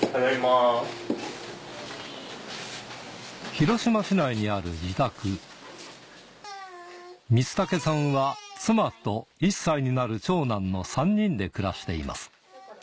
広島市内にある自宅光武さんは妻と１歳になる長男の３人で暮らしています